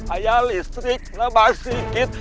ayah listrik lepas sedikit